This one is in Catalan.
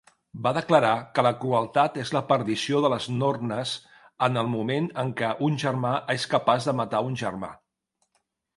Va declarar que la crueltat és la perdició de les nornes en el moment en què un germà és capaç de matar un germà.